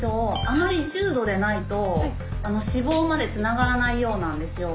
あまり重度でないと死亡までつながらないようなんですよ。